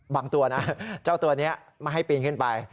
บางตัวนะจะตัวนี้ให้ที่จะเพื่อนขึ้นไป